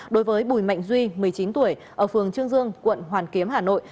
đối với bùi mạnh duy một mươi chín tuổi ở phường trương dương quận hoàn kiếm hà nội